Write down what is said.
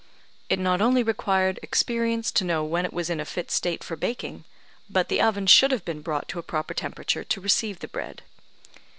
It not only required experience to know when it was in a fit state for baking, but the oven should have been brought to a proper temperature to receive the bread.